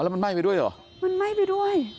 แล้วมันไหม้ไปด้วยเหรอมันไหม้ไปด้วย